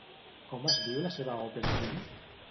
Com es diu la seva òpera prima?